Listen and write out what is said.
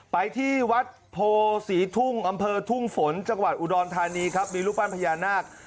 ไปที่วัดโพศรีทุ่งอำเภอทุ่งฝนจังหวัดอุดรธานีครับมีรูปปั้นพญานาค